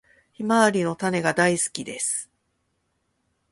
ヒマワリの種が大好きです。